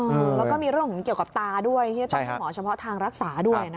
แล้วก็มีเรื่องเหมือนกับตาด้วยที่ต้องให้หมอเฉพาะทางรักษาด้วย